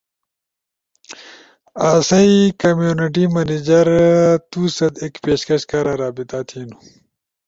آسئی کمیونٹی منیجر تو ست ایک پیشکش کارا رابطہ تھینو۔